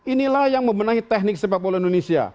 inilah yang memenangi teknik sepakbola indonesia